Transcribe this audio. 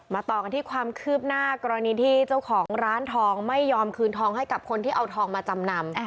ต่อกันที่ความคืบหน้ากรณีที่เจ้าของร้านทองไม่ยอมคืนทองให้กับคนที่เอาทองมาจำนำ